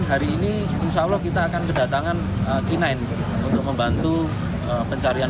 dan hari ini insya allah kita akan berdatangan k sembilan untuk membantu pencarian